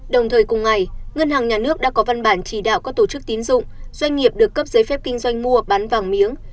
đồng thời cùng ngày ngân hàng nhà nước đã có văn bản chỉ đạo các tổ chức tín dụng doanh nghiệp được cấp giấy phép kinh doanh mua bán vàng miếng